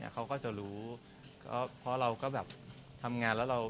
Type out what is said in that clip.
เขาก็จะรู้เพราะเราก็แบบทำงานแล้วเรา